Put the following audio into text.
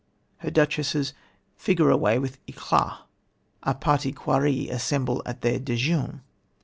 Her duchesses "figure away with éclat" "a party quarrie assemble at their dejeune."